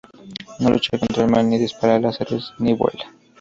¡ No lucha contra el mal, ni dispara láseres, ni vuela!